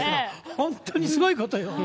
本当にすごいことよ。